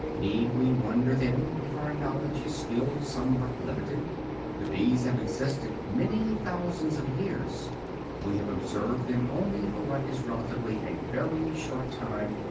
Need we wonder, then, if our knowledge is still somewhat limited? The bees have existed many thousands of years; we have observed them only for what is relatively a very short time.